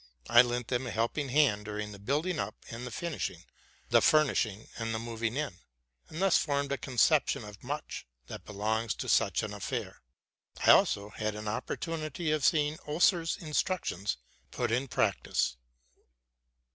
I lent them a helping hand during the building up and the finishing, the furnishing and the moving in, and thus formed a concep tion of much that belongs to such an affair: I also had an opportunity of seeing Oeser's instructions put in practice.